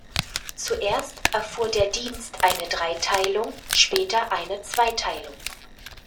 Zuerst erfuhr der Dienst eine Dreiteilung, später eine Zweiteilung.